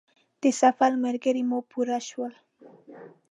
د سفر ملګري مو پوره شول.